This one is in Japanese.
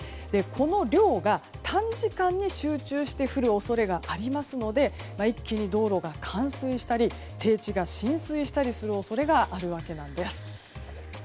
この量が短時間に集中して降る恐れがありますので一気に道路が冠水したり低地が浸水したりする恐れががあります。